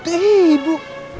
tuh iiih ibu